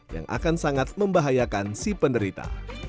yang akan sangat membahayakan si penderita